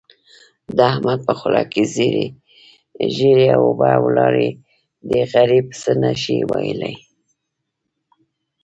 د احمد په خوله کې ژېړې اوبه ولاړې دي؛ غريب څه نه شي ويلای.